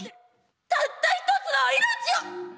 たった一つの命を。